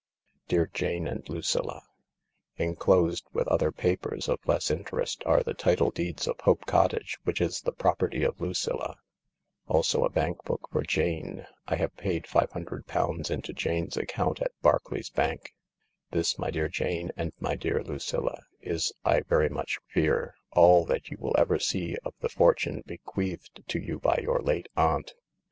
11 Dear Jane and Lucilla, " Enclosed with other papers of less interest are the title deeds of Hope Cottage, which is the property of Lucilla. Also a bank book for Jane. I have paid £500 into Jane's account at Barclay's Bank. " This, my dear Jane and my dear Lucilla, is, I very much fear, all that you will ever see of the fortune bequeathed to you by your late aunt